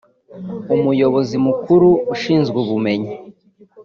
umuyobozi mukuru ushinzwe ubumenyi